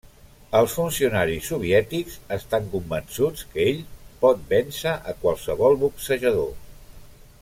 Els funcionaris soviètics estan convençuts que ell pot vèncer a qualsevol boxejador.